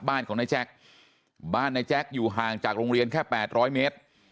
บ้านของนายแจ็คบ้านนายแจ๊คอยู่ห่างจากโรงเรียนแค่๘๐๐เมตร